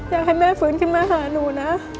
อยากให้แม่ฟื้นขึ้นมาหาหนูนะ